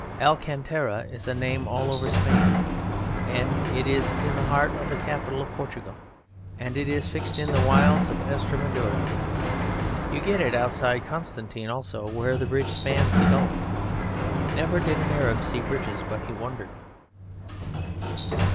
"Alcantara" is a name all over Spain, and it is in the heart of the capital of Portugal, and it is fixed in the wilds of Estremadura. You get it outside Constantine also where the bridge spans the gulf. Never did an Arab see bridges but he wondered.